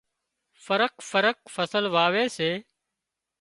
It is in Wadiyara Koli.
فرق فرق فصل واوي سي